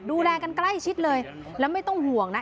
ดูแลกันใกล้ชิดเลยแล้วไม่ต้องห่วงนะ